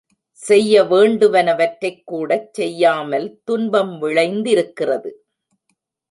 செய்ய வேண்டுவனவற்றைக் கூடச் செய்யாமல் துன்பம் விளைந் திருக்கிறது.